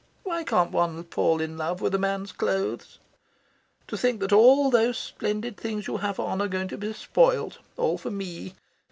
Why can't one fall in love with a man's clothes? To think that all those splendid things you have on are going to be spoilt all for me.